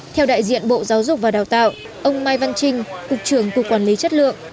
theo đại diện bộ giáo dục và đào tạo ông mai văn trinh cục trưởng cục quản lý chất lượng